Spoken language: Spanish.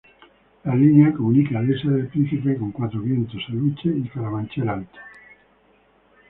La línea comunica Dehesa del Príncipe con Cuatro Vientos, Aluche y Carabanchel Alto.